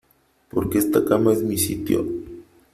Porque esta cama es mi sitio .